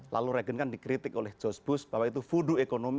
lalu reagen kan dikritik oleh george bush bahwa itu fudo ekonomi